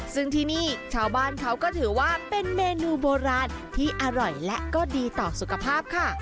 ซึ่งที่นี่ชาวบ้านเขาก็ถือว่าเป็นเมนูโบราณที่อร่อยและก็ดีต่อสุขภาพค่ะ